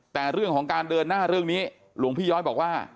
แต่เรื่องของการเดินหน้าเรื่องนี้หลวงพี่ย้อยบอกว่า